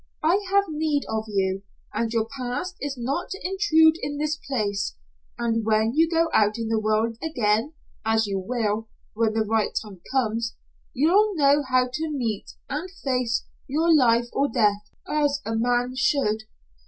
I have need of you, and your past is not to intrude in this place, and when you go out in the world again, as you will, when the right time comes, you'll know how to meet and face your life or death, as a man should.